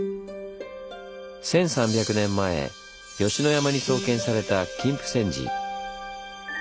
１３００年前吉野山に創建された金峯山寺。